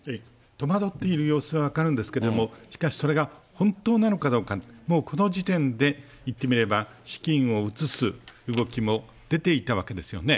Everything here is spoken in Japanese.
戸惑っている様子は分かるんですけれども、しかしそれが本当なのかどうか、もうこの時点で、言ってみれば、資金を移す動きも出ていたわけですよね。